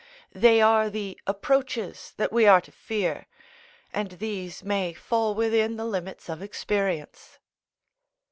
They are the approaches that we are to fear, and these may fall within the limits of experience.